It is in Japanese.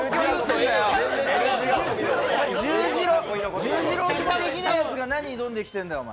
お前、十字路置きもできないやつが何挑んできてんだよ。